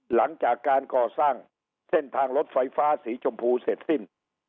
หลังจากการก่อสร้างเส้นทางรถไฟฟ้าสีชมพูเสร็จสิ้น